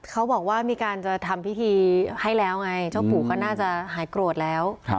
เขาบอกว่ามีการจะทำพิธีให้แล้วไงเจ้าปู่ก็น่าจะหายโกรธแล้ว